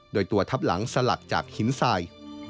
โดยตัวทับหลังสลักจากหินทราย